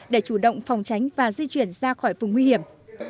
để chủ động phòng tránh và di chuyển ra khỏi vùng nguy hiểm